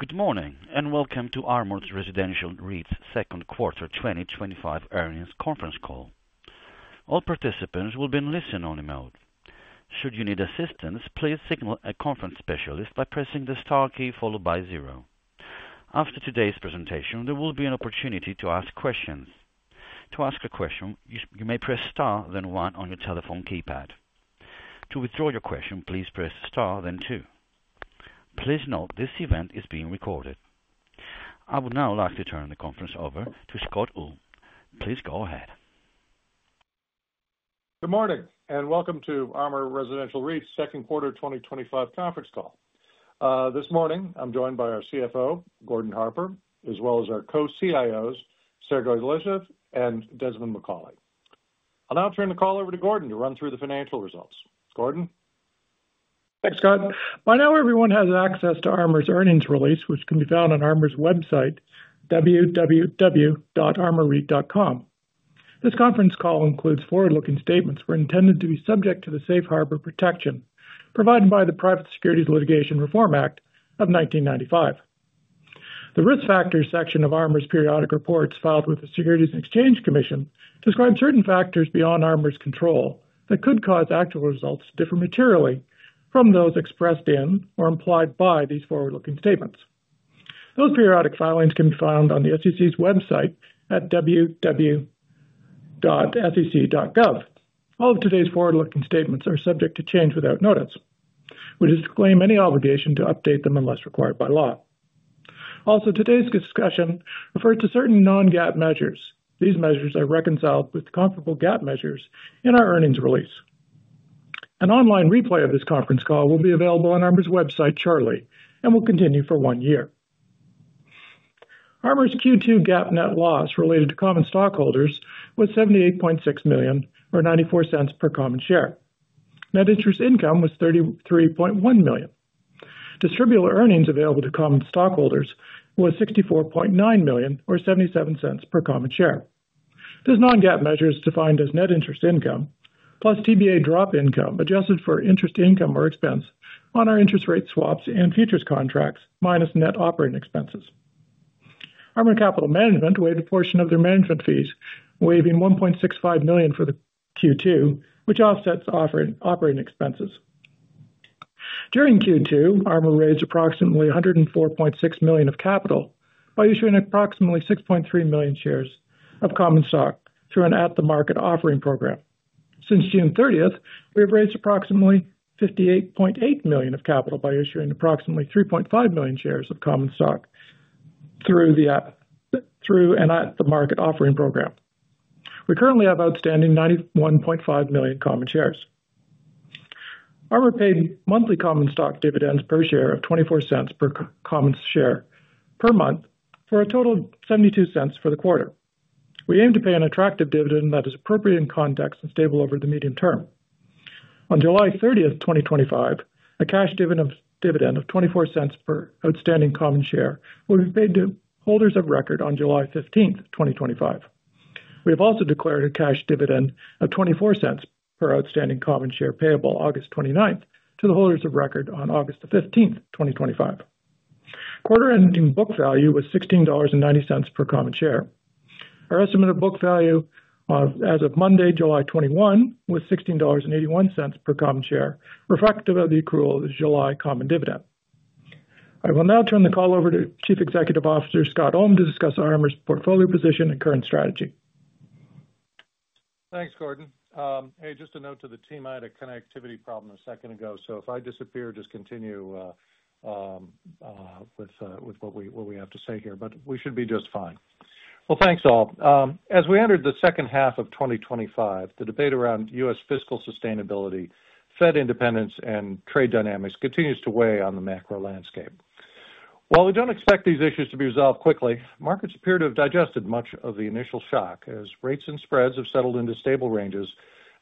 Good morning and welcome to ARMOUR Residential REIT's Second Quarter 2025 earnings conference call. All participants will be in listen-only mode. Should you need assistance, please signal a conference specialist by pressing the star key followed by zero. After today's presentation, there will be an opportunity to ask questions. To ask a question, you may press star then one on your telephone keypad. To withdraw your question, please press star then two. Please note this event is being recorded. I would now like to turn the conference over to Scott Ulm. Please go ahead. Good morning and welcome to ARMOUR Residential REIT's Second Quarter 2025 conference call. This morning, I'm joined by our CFO, Gordon Harper, as well as our Co-CIOs, Sergey Losyev and Desmond Macauley. I'll now turn the call over to Gordon to run through the financial results. Gordon? Thanks, Scott. By now, everyone has access to ARMOUR's earnings release, which can be found on ARMOUR's website, www.armourreit.com. This conference call includes forward-looking statements that are intended to be subject to the safe harbor protection provided by the Private Securities Litigation Reform Act of 1995. The risk factors section of ARMOUR's periodic reports filed with the Securities and Exchange Commission describes certain factors beyond ARMOUR's control that could cause actual results to differ materially from those expressed in or implied by these forward-looking statements. Those periodic filings can be found on the SEC's website at www.sec.gov. All of today's forward-looking statements are subject to change without notice, which is to disclaim any obligation to update them unless required by law. Also, today's discussion refers to certain non-GAAP measures. These measures are reconciled with comparable GAAP measures in our earnings release. An online replay of this conference call will be available on ARMOUR's website and will continue for one year. ARMOUR's Q2 GAAP net loss related to common stockholders was $78.6 million or $0.94 per common share. Net interest income was $33.1 million. Distributable earnings available to common stockholders were $64.9 million or $0.77 per common share. These non-GAAP measures are defined as net interest income plus TBA drop income, adjusted for interest income or expense on our interest rate swaps and futures contracts minus net operating expenses. ARMOUR Capital Management waived a portion of their management fees, waiving $1.65 million for Q2, which offsets operating expenses. During Q2, ARMOUR raised approximately $104.6 million of capital by issuing approximately 6.3 million shares of common stock through an at-the-market offering program. Since June 30, we have raised approximately $58.8 million of capital by issuing approximately 3.5 million shares of common stock through an at-the-market offering program. We currently have outstanding 91.5 million common shares. ARMOUR paid monthly common stock dividends per share of $0.24 per common share per month for a total of $0.72 for the quarter. We aim to pay an attractive dividend that is appropriate in context and stable over the medium term. On July 30th, 2025, a cash dividend of $0.24 per outstanding common share will be paid to holders of record on July 15th, 2025. We have also declared a cash dividend of $0.24 per outstanding common share payable August 29th to the holders of record on August 15th, 2025. Quarter-ending book value was $16.90 per common share. Our estimated book value as of Monday, July 21, was $16.81 per common share, reflective of the accrual of the July common dividend. I will now turn the call over to Chief Executive Officer Scott Ulm to discuss ARMOUR's portfolio position and current strategy. Thanks, Gordon. Hey, just a note to the team, I had a connectivity problem a second ago, so if I disappear, just continue with what we have to say here, but we should be just fine. Thanks all. As we enter the second half of 2025, the debate around U.S. fiscal sustainability, Fed independence, and trade dynamics continues to weigh on the macro landscape. While we don't expect these issues to be resolved quickly, markets appear to have digested much of the initial shock as rates and spreads have settled into stable ranges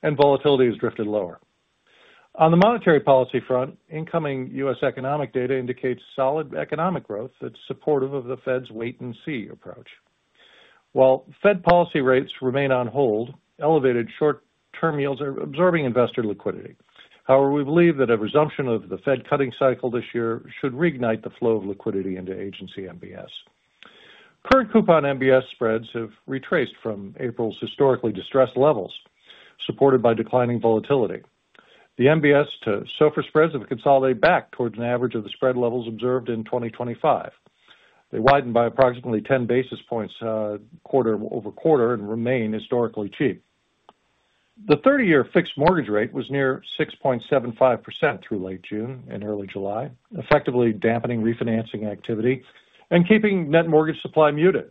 and volatility has drifted lower. On the monetary policy front, incoming U.S. economic data indicates solid economic growth that's supportive of the Fed's wait-and-see approach. While Fed policy rates remain on hold, elevated short-term yields are absorbing investor liquidity. However, we believe that a resumption of the Fed cutting cycle this year should reignite the flow of liquidity into agency MBS. Current coupon MBS spreads have retraced from April's historically distressed levels, supported by declining volatility. The MBS sofa spreads have consolidated back towards an average of the spread levels observed in 2025. They widened by approximately 10 basis points quarter over quarter and remain historically cheap. The 30-year fixed mortgage rate was near 6.75% through late June and early July, effectively dampening refinancing activity and keeping net mortgage supply muted.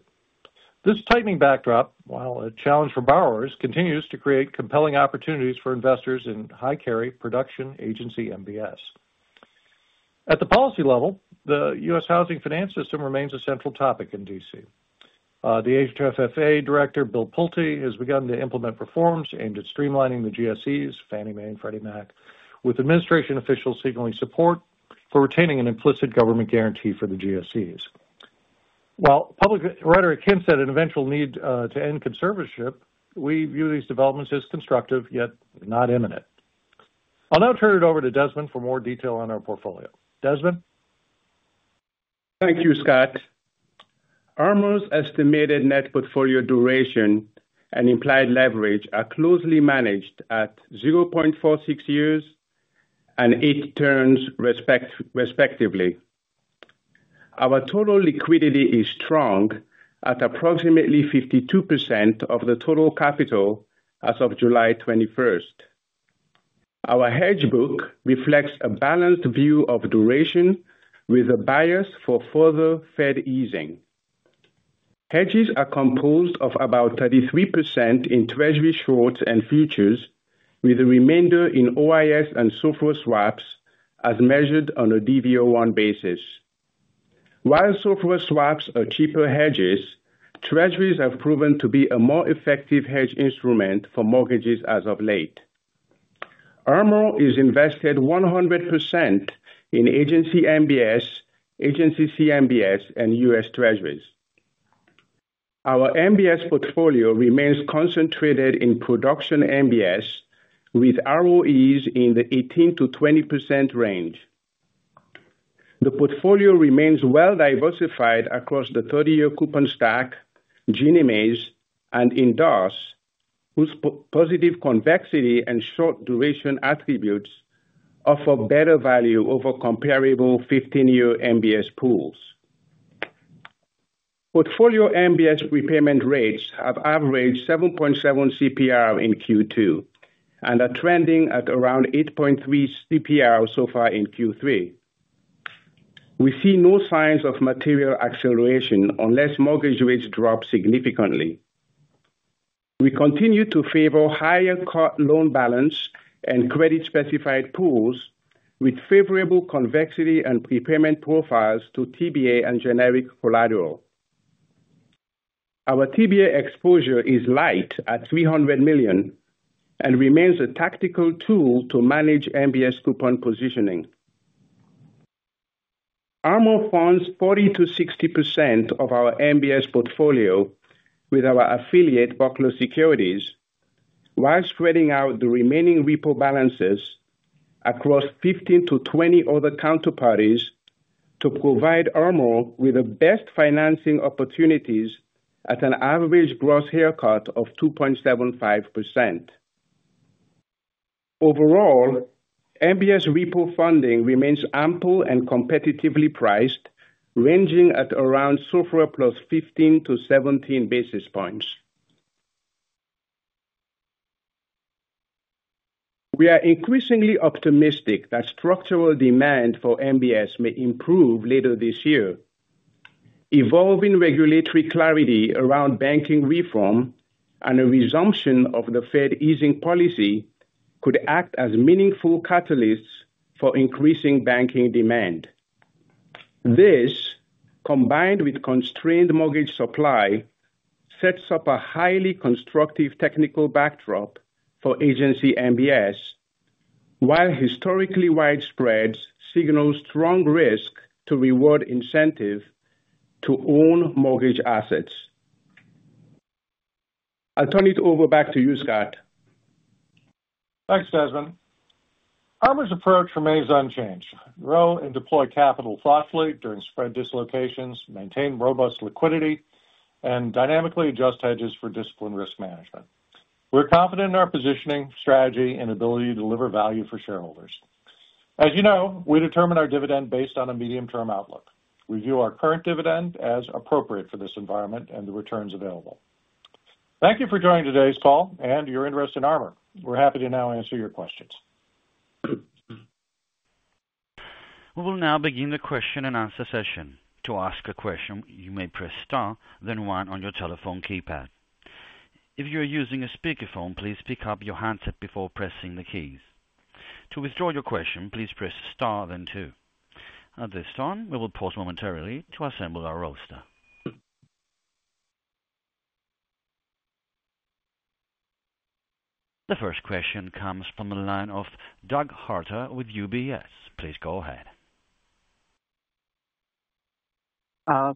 This tightening backdrop, while a challenge for borrowers, continues to create compelling opportunities for investors in high-carry production agency MBS. At the policy level, the U.S. housing finance system remains a central topic in DC. The FHFA Director, Bill Pulte, has begun to implement reforms aimed at streamlining the GSEs, Fannie Mae, and Freddie Mac, with administration officials signaling support for retaining an implicit government guarantee for the GSEs. While public rhetoric hints at an eventual need to end conservatorship, we view these developments as constructive yet not imminent. I'll now turn it over to Desmond for more detail on our portfolio. Desmond? Thank you, Scott. ARMOUR's estimated net portfolio duration and implied leverage are closely managed at 0.46 years and eight turns, respectively. Our total liquidity is strong at approximately 52% of the total capital as of July 21st. Our hedge book reflects a balanced view of duration with a bias for further Fed easing. Hedges are composed of about 33% in Treasury shorts and futures, with the remainder in OIS and SOFR swaps, as measured on a DV01 basis. While SOFR swaps are cheaper hedges, Treasuries have proven to be a more effective hedge instrument for mortgages as of late. ARMOUR is invested 100% in agency mortgage-backed securities, agency commercial MBS, and U.S. Treasuries. Our MBS portfolio remains concentrated in production MBS, with ROEs in the 18%-20% range. The portfolio remains well diversified across the 30-year coupon stack, Ginnie Maes, and Indas, whose positive convexity and short duration attributes offer better value over comparable 15-year MBS pools. Portfolio MBS repayment rates have averaged 7.7% CPR in Q2 and are trending at around 8.3% CPR so far in Q3. We see no signs of material acceleration unless mortgage rates drop significantly. We continue to favor higher cut loan balance and credit-specified pools with favorable convexity and prepayment profiles to TBA and generic collateral. Our TBA exposure is light at $300 million and remains a tactical tool to manage MBS coupon positioning. ARMOUR funds 40%-60% of our MBS portfolio with our affiliate, Buckler Securities, while spreading out the remaining repo balances across 15-20 other counterparties to provide ARMOUR with the best financing opportunities at an average gross haircut of 2.75%. Overall, MBS repo funding remains ample and competitively priced, ranging at around SOFR +15 to 17 basis points. We are increasingly optimistic that structural demand for MBS may improve later this year. Evolving regulatory clarity around banking reform and a resumption of the Fed easing policy could act as meaningful catalysts for increasing banking demand. This, combined with constrained mortgage supply, sets up a highly constructive technical backdrop for agency MBS, while historically wide spreads signal strong risk to reward incentive to own mortgage assets. I'll turn it over back to you, Scott. Thanks, Desmond. ARMOUR's approach remains unchanged: grow and deploy capital thoughtfully during spread dislocations, maintain robust liquidity, and dynamically adjust hedges for disciplined risk management. We're confident in our positioning, strategy, and ability to deliver value for shareholders. As you know, we determine our dividend based on a medium-term outlook. We view our current dividend as appropriate for this environment and the returns available. Thank you for joining today's call and your interest in ARMOUR. We're happy to now answer your questions. We will now begin the question and answer session. To ask a question, you may press star then one on your telephone keypad. If you are using a speakerphone, please pick up your handset before pressing the keys. To withdraw your question, please press star then two. At this time, we will pause momentarily to assemble our roster. The first question comes from the line of Doug Harter with UBS. Please go ahead.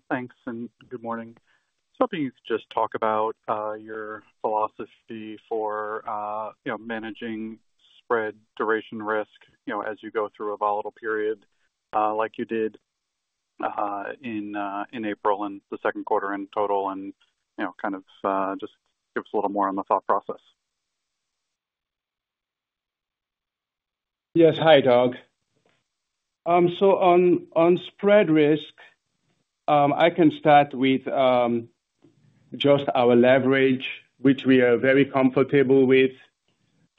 Thanks and good morning. I was hoping you could just talk about your philosophy for managing spread duration risk as you go through a volatile period like you did in April and the second quarter in total, and just give us a little more on the thought process. Yes, hi Doug. On spread risk, I can start with just our leverage, which we are very comfortable with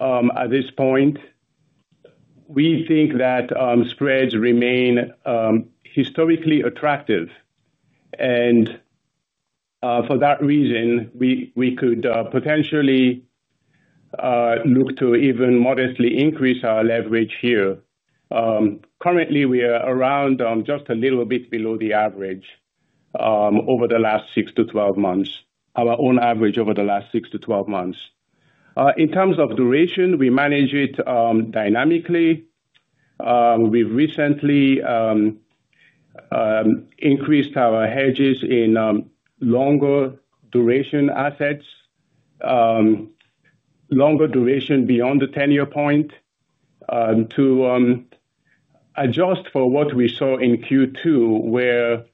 at this point. We think that spreads remain historically attractive, and for that reason, we could potentially look to even modestly increase our leverage here. Currently, we are around just a little bit below the average over the last 6 to 12 months, our own average over the last 6-12 months. In terms of duration, we manage it dynamically. We've recently increased our hedges in longer duration assets, longer duration beyond the 10-year point to adjust for what we saw in Q2,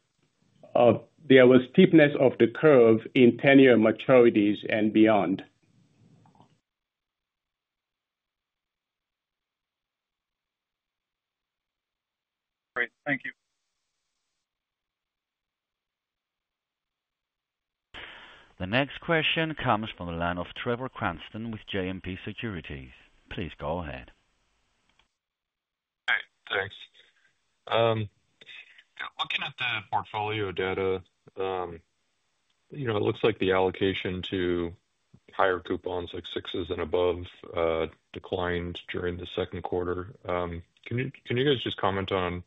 where there was steepness of the curve in 10-year maturities and beyond. The next question comes from the line of Trevor Cranston with JMP Securities. Please go ahead. Hi, thanks. Looking at the portfolio data, it looks like the allocation to higher coupons, like sixes and above, declined during the second quarter. Can you guys just comment on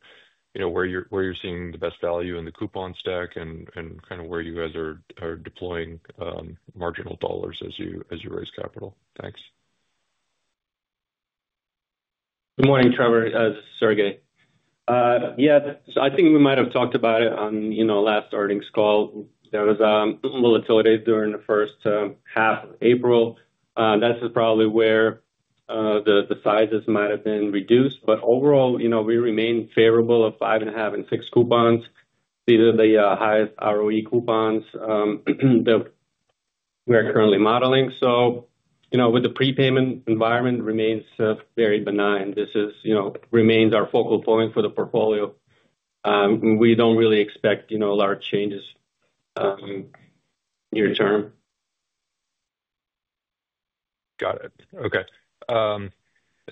where you're seeing the best value in the coupon stack and kind of where you guys are deploying marginal dollars as you raise capital? Thanks. Good morning, Trevor. This is Sergey. I think we might have talked about it on last earnings call. There was volatility during the first half of April. That's probably where the sizes might have been reduced, but overall, we remain favorable at 5.5% and a half in fixed coupons. These are the highest ROE coupons that we are currently modeling. With the prepayment environment, it remains very benign. This remains our focal point for the portfolio. We don't really expect large changes near term. Got it. Okay.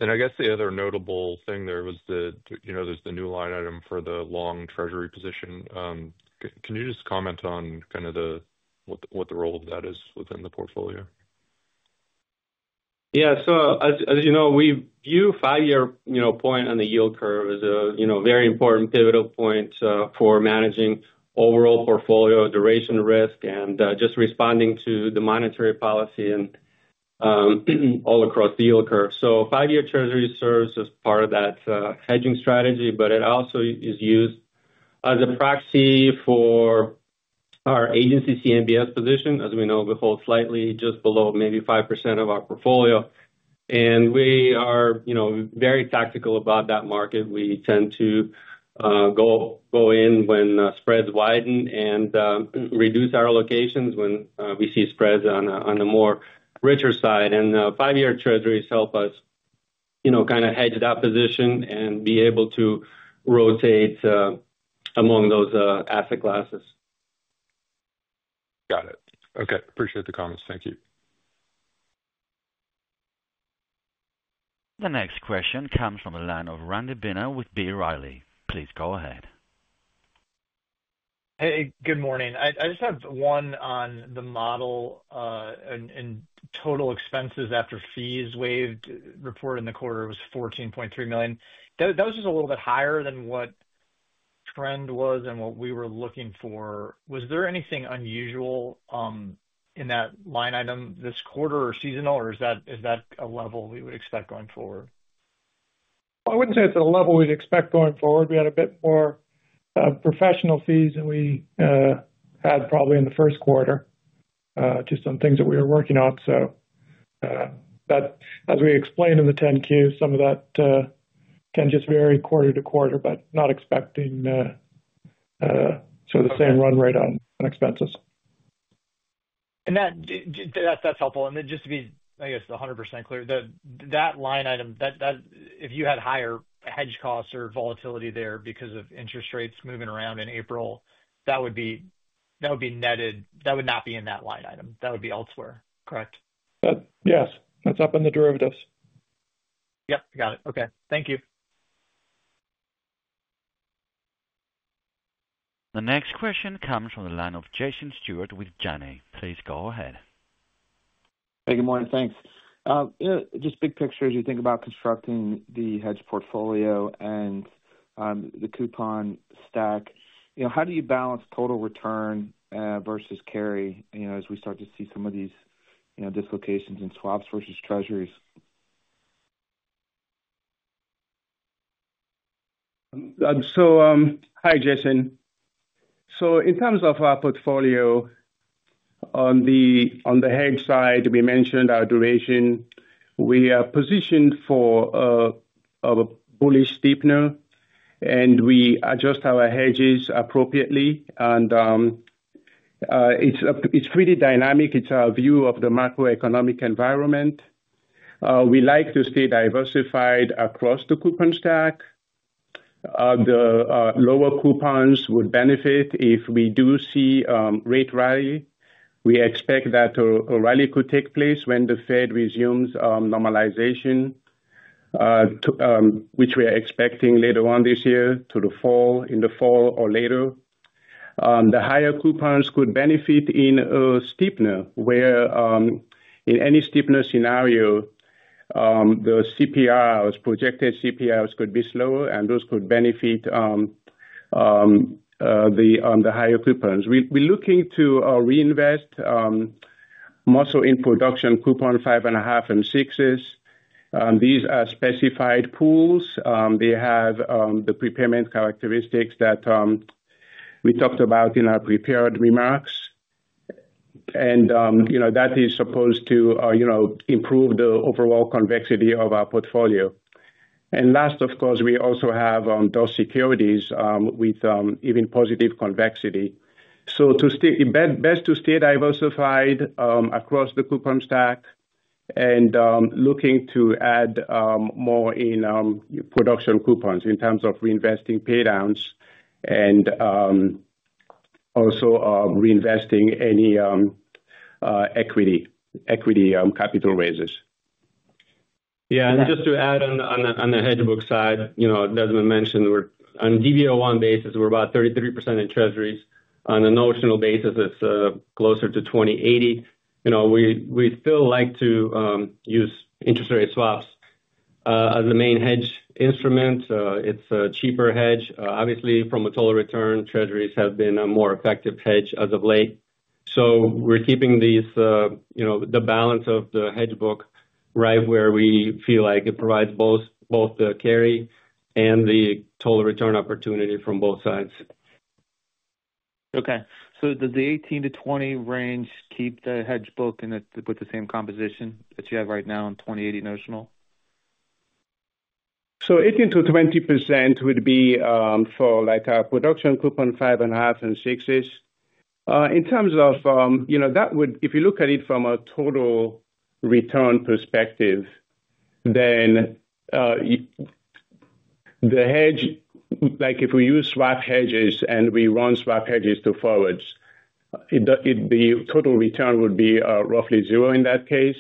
I guess the other notable thing there was the, you know, there's the new line item for the long Treasury position. Can you just comment on kind of what the role of that is within the portfolio? Yeah, as you know, we view the five-year point on the yield curve as a very important pivotal point for managing overall portfolio duration risk and just responding to monetary policy and all across the yield curve. The five-year Treasury serves as part of that hedging strategy, but it also is used as a proxy for our agency commercial MBS position. As we know, we hold slightly just below maybe 5% of our portfolio, and we are very tactical about that market. We tend to go in when spreads widen and reduce our allocations when we see spreads on a more richer side, and five-year Treasuries help us kind of hedge that position and be able to rotate among those asset classes. Got it. Okay. Appreciate the comments. Thank you. The next question comes from the line of Randy Binner with B. Riley. Please go ahead. Hey, good morning. I just have one on the model and total expenses after fees waived reported in the quarter was $14.3 million. That was just a little bit higher than what the trend was and what we were looking for. Was there anything unusual in that line item this quarter or seasonal, or is that a level we would expect going forward? I wouldn't say it's a level we'd expect going forward. We had a bit more professional fees than we had probably in the first quarter, just on things that we were working on. As we explained in the 10-Q, some of that can just vary quarter to quarter, but not expecting sort of the same run rate on expenses. That's helpful. Just to be, I guess, 100% clear, that line item, if you had higher hedge costs or volatility there because of interest rates moving around in April, that would be netted. That would not be in that line item. That would be elsewhere, correct? Yes, that's up in the derivatives. Yep, got it. Okay. Thank you. The next question comes from the line of Jason Stewart with Janney. Please go ahead. Hey, good morning. Thanks. Just big picture, as you think about constructing the hedge portfolio and the coupon stack, how do you balance total return versus carry as we start to see some of these dislocations in swaps versus U.S. Treasuries? Hi Jason. In terms of our portfolio on the hedge side, we mentioned our duration. We are positioned for a bullish steepener, and we adjust our hedges appropriately, and it's pretty dynamic. It's our view of the macroeconomic environment. We like to stay diversified across the coupon stack. The lower coupons would benefit if we do see rate rally. We expect that a rally could take place when the Fed resumes normalization, which we are expecting later on this year in the fall or later. The higher coupons could benefit in a steepener, where in any steepener scenario, the projected CPRs could be slower, and those could benefit the higher coupons. We're looking to reinvest mostly in production coupon 5.5 and 6s. These are specified pools. They have the prepayment characteristics that we talked about in our prepared remarks, and that is supposed to improve the overall convexity of our portfolio. Last, of course, we also have those securities with even positive convexity. It's best to stay diversified across the coupon stack and looking to add more in production coupons in terms of reinvesting paydowns and also reinvesting any equity capital raises. Yeah, and just to add on the hedge book side, you know, Desmond mentioned on a DV01 basis, we're about 33% in Treasuries. On a notional basis, it's closer to 20-80. You know, we still like to use interest rate swaps as the main hedge instrument. It's a cheaper hedge, obviously, from a total return. Treasuries have been a more effective hedge as of late. We're keeping these, you know, the balance of the hedge book right where we feel like it provides both the carry and the total return opportunity from both sides. Okay. Does the 18-20 range keep the hedge book with the same composition that you have right now in $20.80 billion notional? Eighteen to 20% would be for like our production coupon five and a half and sixes. In terms of, you know, that would, if you look at it from a total return perspective, then the hedge, like if we use swap hedges and we run swap hedges to forwards, the total return would be roughly zero in that case.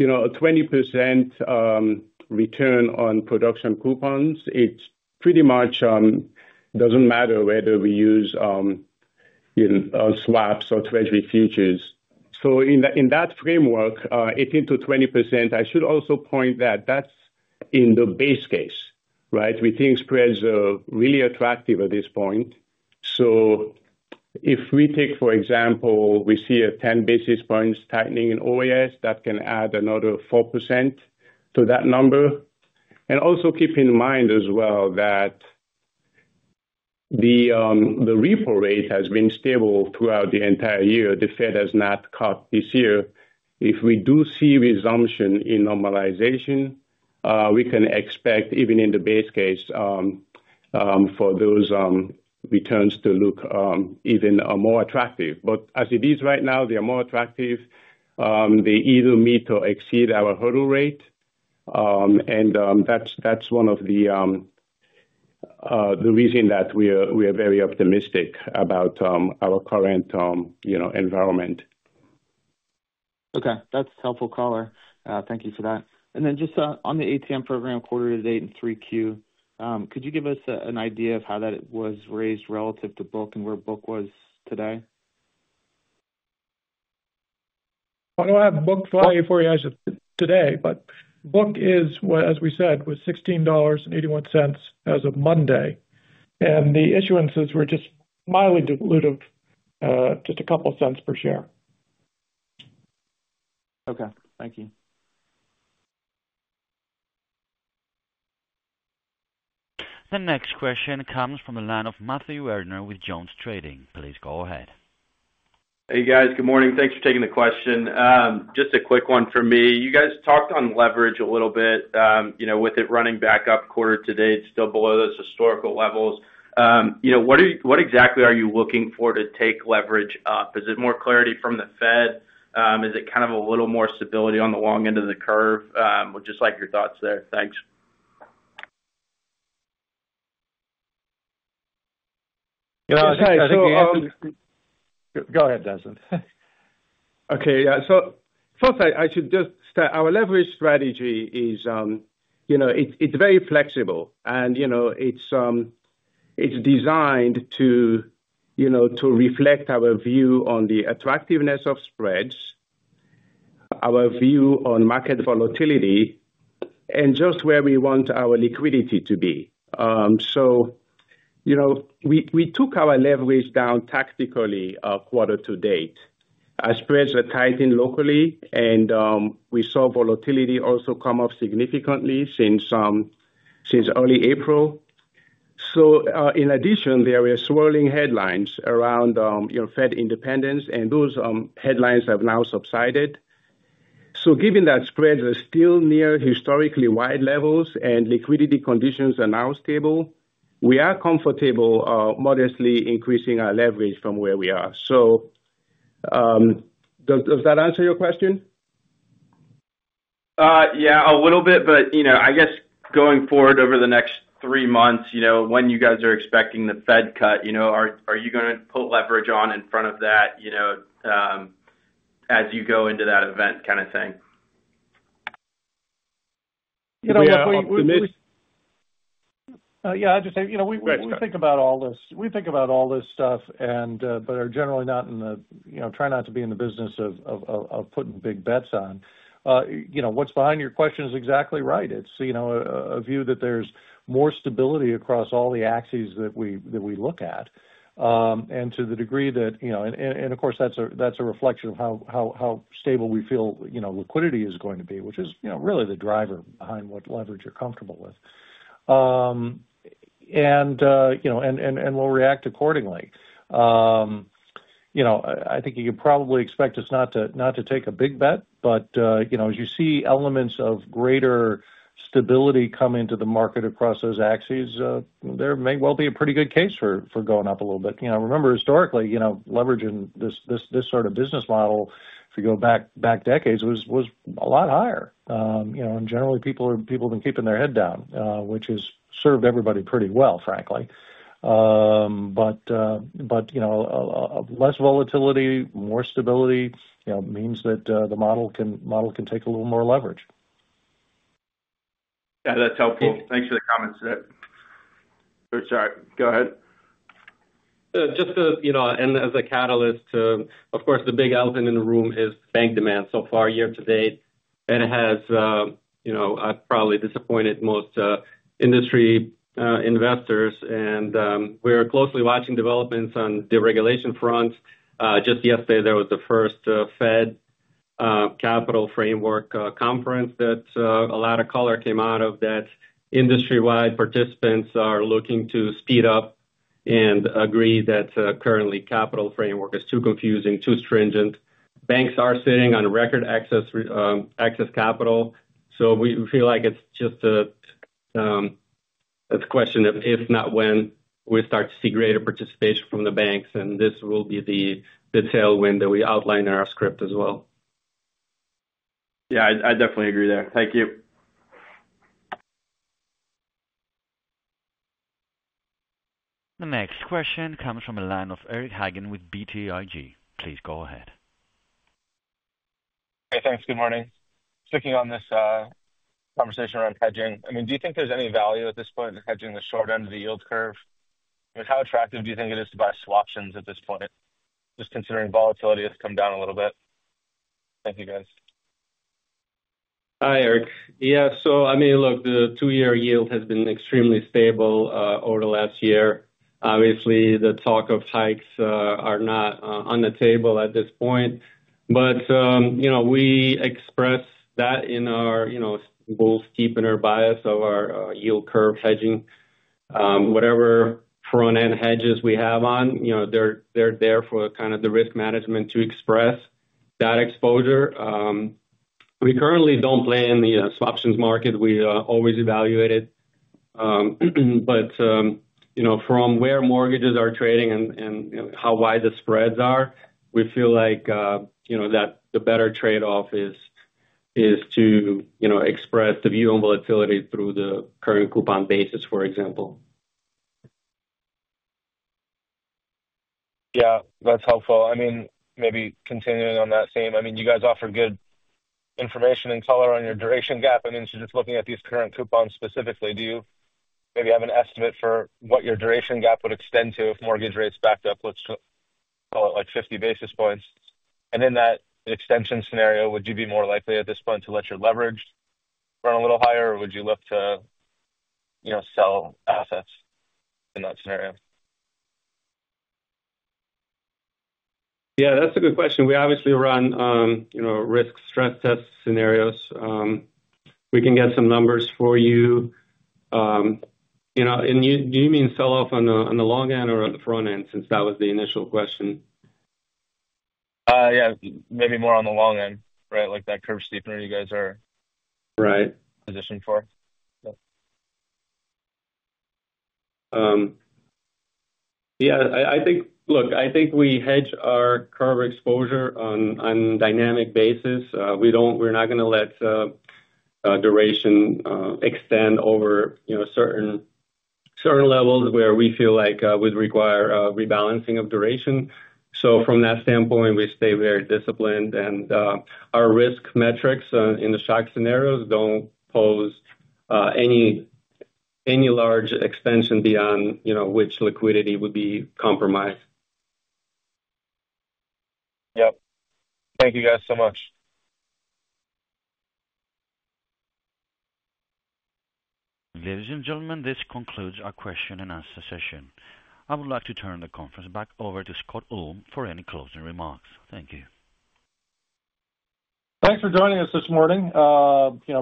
A 20% return on production coupons, it pretty much doesn't matter whether we use swaps or Treasury futures. In that framework, 18 to 20%, I should also point out that that's in the base case, right? We think spreads are really attractive at this point. If we take, for example, we see a 10 basis points tightening in OIS, that can add another 4% to that number. Also keep in mind as well that the repo rate has been stable throughout the entire year. The Fed has not cut this year. If we do see resumption in normalization, we can expect even in the base case for those returns to look even more attractive. As it is right now, they are more attractive. They either meet or exceed our hurdle rate, and that's one of the reasons that we are very optimistic about our current, you know, environment. Okay. That's a helpful caller. Thank you for that. Just on the at-the-market offering program quarter to date in 3Q, could you give us an idea of how that was raised relative to book and where book was today? I don't have the book value for you as of today, but book is, as we said, was $16.81 as of Monday, and the issuances were just mildly dilutive, just a couple of cents per share. Okay, thank you. The next question comes from the line of Matthew Erdner with JonesTrading. Please go ahead. Hey guys, good morning. Thanks for taking the question. Just a quick one for me. You guys talked on leverage a little bit, with it running back up quarter to date, still below those historical levels. What exactly are you looking for to take leverage up? Is it more clarity from the Fed? Is it kind of a little more stability on the long end of the curve? We'd just like your thoughts there. Thanks. I think. Go ahead, Desmond. Okay. Yeah. First, I should just say our leverage strategy is, you know, it's very flexible, and it's designed to reflect our view on the attractiveness of spreads, our view on market volatility, and just where we want our liquidity to be. We took our leverage down tactically quarter to date. Our spreads are tightening locally, and we saw volatility also come up significantly since early April. In addition, there were swirling headlines around Fed independence, and those headlines have now subsided. Given that spreads are still near historically wide levels and liquidity conditions are now stable, we are comfortable modestly increasing our leverage from where we are. Does that answer your question? Yeah, a little bit, but you know, I guess going forward over the next three months, you know, when you guys are expecting the Fed cut, you know, are you going to put leverage on in front of that, you know, as you go into that event kind of thing? You know, look, we. Yeah, I'd just say we think about all this. We think about all this stuff, but are generally not in the business of putting big bets on. What's behind your question is exactly right. It's a view that there's more stability across all the axes that we look at. To the degree that, and of course, that's a reflection of how stable we feel liquidity is going to be, which is really the driver behind what leverage you're comfortable with. We'll react accordingly. I think you could probably expect us not to take a big bet, but as you see elements of greater stability come into the market across those axes, there may well be a pretty good case for going up a little bit. I remember historically leveraging this sort of business model, if you go back decades, was a lot higher. Generally, people have been keeping their head down, which has served everybody pretty well, frankly. Less volatility, more stability means that the model can take a little more leverage. Yeah, that's helpful. Thanks for the comments. Sorry, go ahead. Just to, you know, as a catalyst, of course, the big elephant in the room is bank demand so far year to date. It has, you know, probably disappointed most industry investors. We're closely watching developments on the deregulation front. Just yesterday, there was the first Fed Capital Framework conference that a lot of color came out of. Industry-wide participants are looking to speed up and agree that currently the capital framework is too confusing, too stringent. Banks are sitting on record excess capital. We feel like it's just a question of if not when we start to see greater participation from the banks, and this will be the tailwind that we outlined in our script as well. Yeah, I definitely agree there. Thank you. The next question comes from a line of Eric Hagen with BTIG. Please go ahead. Hey, thanks. Good morning. Sticking on this conversation around hedging, do you think there's any value at this point in hedging the short end of the yield curve? How attractive do you think it is to buy swaptions at this point, just considering volatility has come down a little bit? Thank you, guys. Hi Eric. Yeah, so I mean, look, the two-year yield has been extremely stable over the last year. Obviously, the talk of hikes is not on the table at this point. We express that in our bull steepener bias of our yield curve hedging. Whatever front-end hedges we have on, they're there for kind of the risk management to express that exposure. We currently don't play in the swaptions market. We always evaluate it. From where mortgages are trading and how wide the spreads are, we feel like the better trade-off is to express the view on volatility through the current coupon basis, for example. Yeah, that's helpful. Maybe continuing on that theme, you guys offer good information and color on your duration gap. Just looking at these current coupons specifically, do you maybe have an estimate for what your duration gap would extend to if mortgage rates backed up, let's call it like 50 basis points? In that extension scenario, would you be more likely at this point to let your leverage run a little higher, or would you look to sell assets in that scenario? Yeah, that's a good question. We obviously run risk stress test scenarios. We can get some numbers for you. Do you mean sell off on the long end or the front end, since that was the initial question? Yeah, maybe more on the long end, right? Like that curve steepener you guys are positioned for. I think we hedge our curve exposure on a dynamic basis. We don't, we're not going to let duration extend over certain levels where we feel like it would require a rebalancing of duration. From that standpoint, we stay very disciplined, and our risk metrics in the shock scenarios don't pose any large extension beyond which liquidity would be compromised. Yep, thank you guys so much. Ladies and gentlemen, this concludes our question and answer session. I would like to turn the conference back over to Scott Ulm for any closing remarks. Thank you. Thanks for joining us this morning.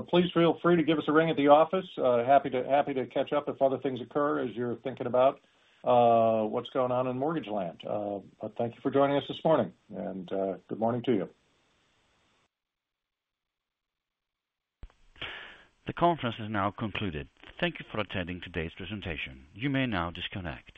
Please feel free to give us a ring at the office. Happy to catch up if other things occur as you're thinking about what's going on in mortgage land. Thank you for joining us this morning, and good morning to you. The conference is now concluded. Thank you for attending today's presentation. You may now disconnect.